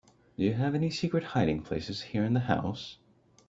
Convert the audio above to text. Do you have any secret hiding place here in the house?